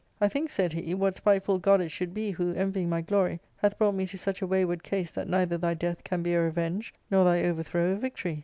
" I think," said he, " what spiteful god it should be who, envying my glory, hath brought me to such a wayward case that neither thy death can be a revenge nor thy over throw a victory."